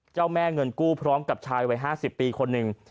เจ้าแม่เงินกู้พร้อมกับชายวัย๕๐ปีคนหนึ่ง